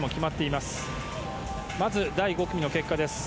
まず第５組の結果です。